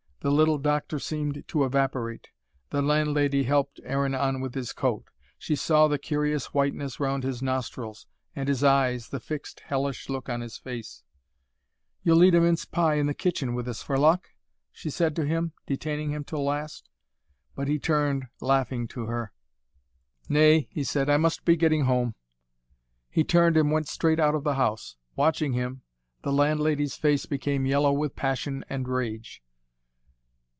The little doctor seemed to evaporate. The landlady helped Aaron on with his coat. She saw the curious whiteness round his nostrils and his eyes, the fixed hellish look on his face. "You'll eat a mince pie in the kitchen with us, for luck?" she said to him, detaining him till last. But he turned laughing to her. "Nay," he said, "I must be getting home." He turned and went straight out of the house. Watching him, the landlady's face became yellow with passion and rage.